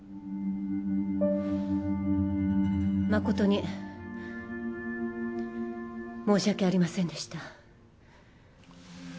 誠に申し訳ありませんでした。